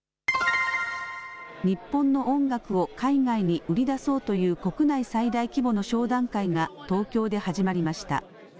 日本の音楽を海外に売り出そうという国内最大規模の商談会が東京で始まりました。